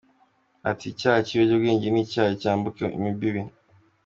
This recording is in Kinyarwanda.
Ati “Icyaha cy’ibiyobyabwenge ni icyaha cyambuka imbibi.